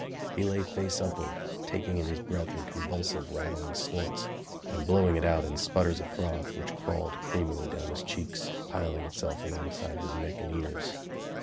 He lay face upward, taking in his breath in convulsive, rattling snorts, and blowing it out in sputters of froth which crawled creamily down his cheeks, piling itself alongside his neck and ears.